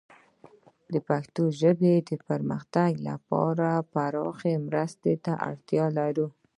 پښتو ژبه د پرمختګ لپاره پراخې مرستې ته اړتیا لري.